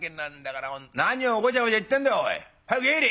「何をごちゃごちゃ言ってんだよおい。早く入れ！」。